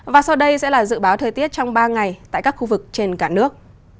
và sau đây sẽ là dự báo thời tiết trong ba ngày tại các khu vực trên cả nước